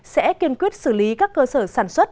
sẽ kiên quyết xử lý các cơ sở sản xuất